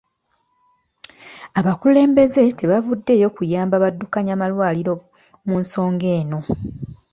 Abakulembeze tebavuddeeyo kuyamba baddukanya malwaliro mu nsonga eno